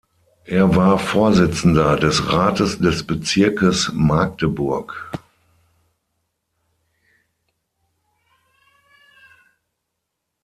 Er war Vorsitzender des Rates des Bezirkes Magdeburg.